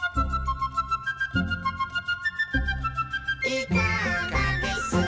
「いかがです」